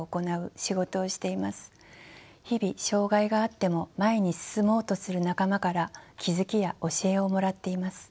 日々障がいがあっても前に進もうとする仲間から気付きや教えをもらっています。